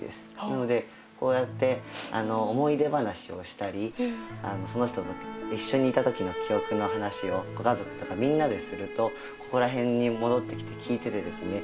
なのでこうやって思い出話をしたりその人と一緒にいた時の記憶の話をご家族とかみんなでするとここら辺に戻ってきて聞いててですね